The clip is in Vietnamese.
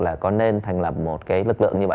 là có nên thành lập một cái lực lượng như vậy